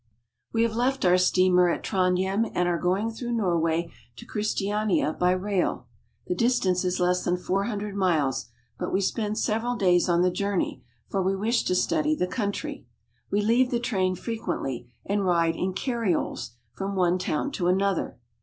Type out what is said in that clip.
WE have left our steamer at Trondhjem, and are going through Norway to Christiania by rail. The distance is less than four hundred miles, but we spend several days on the journey, for we wish to study the country. We leave the train frequently, and ride in car rioles from one town to another.